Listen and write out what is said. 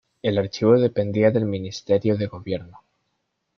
El Archivo dependía del Ministerio de Gobierno.